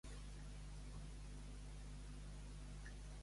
Bé comencem la setmana. I el penjaven dilluns.